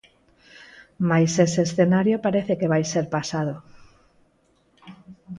Mais ese escenario parece que vai ser pasado.